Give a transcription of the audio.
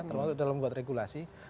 termasuk dalam buat regulasi